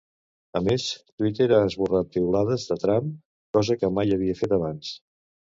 A més, Twitter ha esborrat piulades de Trump, cosa que mai havia fet abans.